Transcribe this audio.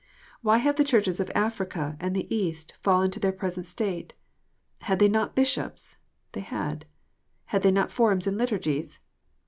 Why have the Churches of Africa and the East fallen to their present state ? Had they not bishops ? They had. Had they not forms and liturgies?